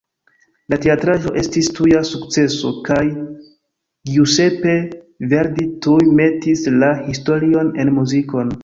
La teatraĵo estis tuja sukceso, kaj Giuseppe Verdi tuj metis la historion en muzikon.